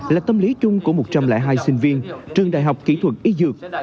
là tâm lý chung của một trăm linh hai sinh viên trường đại học kỹ thuật y dược